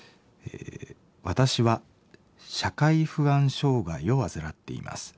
「私は社会不安障害を患っています。